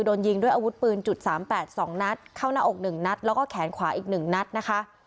โดนยิงด้วยอาวุธปืน๓๘๒นัดเข้าหน้าอก๑นัดแล้วก็แขนขวาอีก๑นัดนะคะ